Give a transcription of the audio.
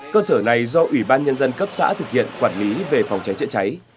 cơ sở này do ủy ban nhân dân cấp xã thực hiện quản lý về phòng cháy chữa cháy